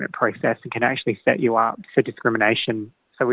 dan bisa mengatasi anda untuk diskriminasi